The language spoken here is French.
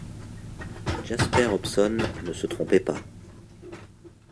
Jasper Hobson ne se trompait pas.